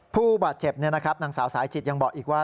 ผู้บาดเจ็บนางสาวสายจิตยังบอกอีกว่า